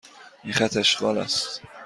این خط اشغال است.